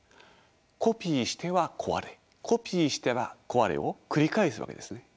コピーしては壊れコピーしては壊れを繰り返すわけですね。